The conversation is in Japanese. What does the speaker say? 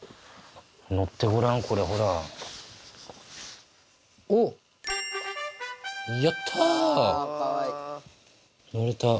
のってごらんこれほら。おっ。やったのれた。